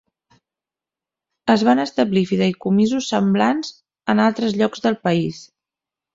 Es van establir fideïcomisos semblants en altres llocs del país.